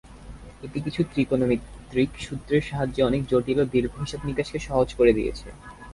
এটি কিছু ত্রিকোণমিতিক সূত্রের সাহায্যে অনেক জটিল ও দীর্ঘ হিসাব-নিকাশকে সহজ করে দিয়েছে।